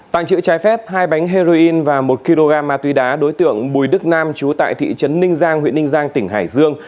tàng trữ trái phép hai bánh heroin và một kg ma tuy đá đối tượng bùi đức nam trú tại thị trấn ninh giang huyện ninh giang tỉnh hải dương